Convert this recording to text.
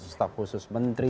staf khusus menteri